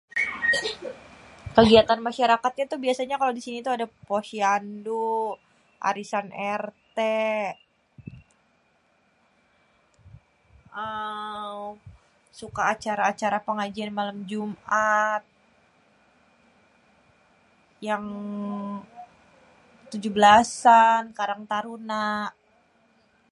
Kégiatan masyarakatnya itu biasanya kalo di sini tuh ada posyandu, arisan RT, eee suka acara-acara pengajian malem Jumat, yang tujuh bélasan, karang taruna.